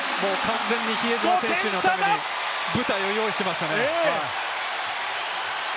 比江島選手のために舞台を用意していましたね。